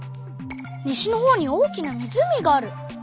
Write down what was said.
西のほうに大きな湖がある！